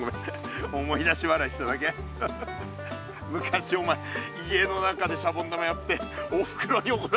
昔お前家の中でシャボン玉やっておふくろにおこられてたよな。